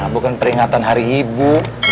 bukan peringatan hari ibu